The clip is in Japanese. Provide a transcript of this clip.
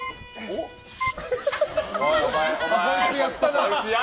こいつやったな。